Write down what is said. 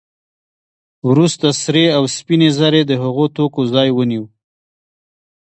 وروسته سرې او سپینې زر د هغو توکو ځای ونیو